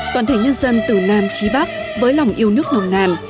toàn thể nhân dân từ nam trí bắc với lòng yêu nước nồng nàn